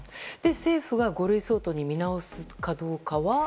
政府が五類相当に見直すかどうかは？